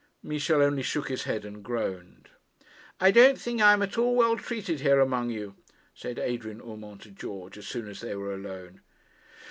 Michel only shook his head and groaned. 'I don't think I am at all well treated here among you,' said Adrian Urmand to George as soon as they were alone.